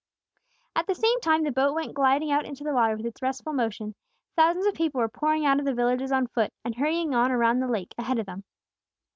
At the same time the boat went gliding out into the water with its restful motion, thousands of people were pouring out of the villages on foot, and hurrying on around the lake, ahead of them.